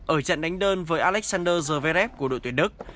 ở trận đánh đơn với alexander zverev của đội tuyển đức